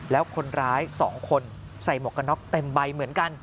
แล้วคนร้าย๒คนใส่หมวกกันน็อกเต็มใบเหมือนกัน